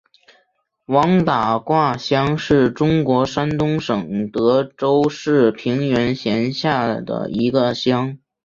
王打卦乡是中国山东省德州市平原县下辖的一个乡。